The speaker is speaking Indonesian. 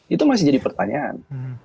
itu masih jadi pertanyaan